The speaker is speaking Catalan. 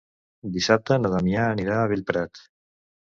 Dissabte na Damià anirà a Bellprat.